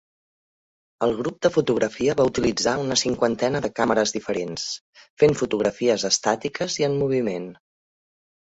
El grup de fotografia va utilitzar una cinquantena de càmeres diferents, fent fotografies estàtiques i en moviment.